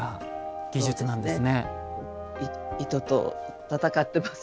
糸と戦ってます。